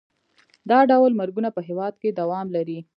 دا ډول مرګونه په هېواد کې دوام لري.